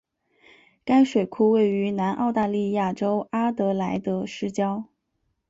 该水库位于南澳大利亚州阿德莱德市郊。